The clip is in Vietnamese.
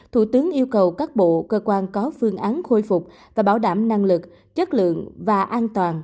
thủ tướng yêu cầu các bộ cơ quan có phương án khôi phục và bảo đảm năng lực chất lượng và an toàn